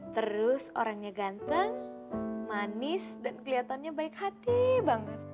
terus orangnya ganteng manis dan kelihatannya baik hati banget